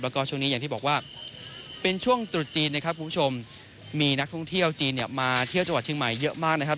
แล้วก็ช่วงนี้อย่างที่บอกว่าเป็นช่วงตรุษจีนนะครับคุณผู้ชมมีนักท่องเที่ยวจีนเนี่ยมาเที่ยวจังหวัดเชียงใหม่เยอะมากนะครับ